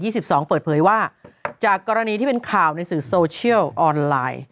เปิดเผยว่าจากกรณีที่เป็นข่าวในสื่อโซเชียลออนไลน์